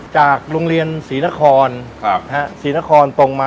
จากโรงเรียนศรีนคร